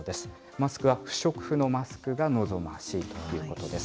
マスクは不織布のマスクが望ましいということです。